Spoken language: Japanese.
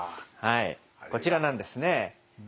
はいこちらなんですね。